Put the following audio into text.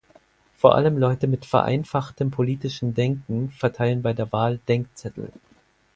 Vor allem Leute mit vereinfachtem politischen Denken verteilen bei der Wahl Denkzettel.